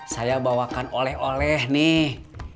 saya bawakan oleh oleh nih